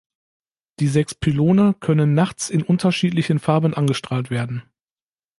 Die sechs Pylone können nachts in unterschiedlichen Farben angestrahlt werden.